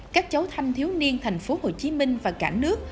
các cháu thanh thiếu niên thành phố hồ chí minh và cả nước